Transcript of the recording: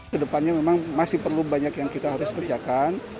kedepannya memang masih perlu banyak yang kita harus kerjakan